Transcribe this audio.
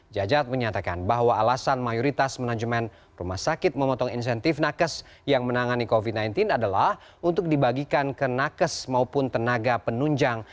jajat menyatakan bahwa alasan mayoritas manajemen rumah sakit memotong insentif nakes yang menangani covid sembilan belas adalah untuk dibagikan ke nakes maupun tenaga penunjang